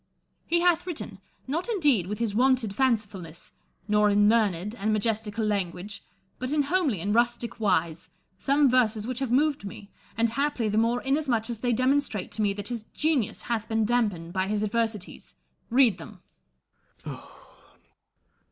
He hath written, not indeed with his wonted fancifulness, nor in learned and majestical language, but in homely and rustic wise, some verses which have moved me, and haply the more inasmuch as they demonstrate to me that his genius hath been dampened by his adversities. Read them.